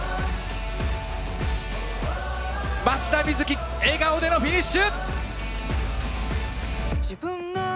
松田瑞生、笑顔でのフィニッシュ。